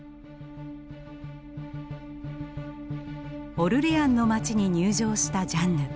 オルレアンの街に入城したジャンヌ。